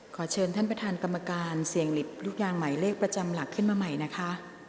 ขอเชิญท่านประธานกรรมการเสี่ยงหลิบลูกยางหมายเลขประจำหลักขึ้นมาใหม่นะคะ